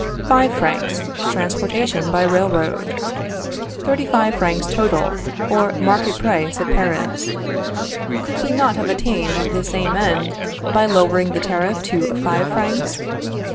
5 " transportation by railroad. 35 francs total, or market price at Paris. Could we not have attained the same end by lowering the tariff to five francs?